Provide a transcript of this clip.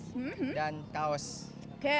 beragam pemilihan gaya berbusana yang agak menarik